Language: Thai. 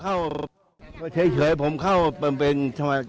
เพราะฉะนั้นนานแล้วนะผมก็คุ้นเคยกับภาคดี